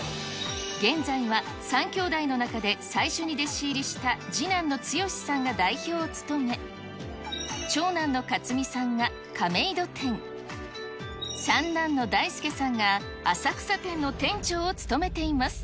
現在は３兄弟の中で最初に弟子入りした次男の剛さんが代表を務め、長男の克実さんが亀戸店、三男の大輔さんが浅草店の店長を務めています。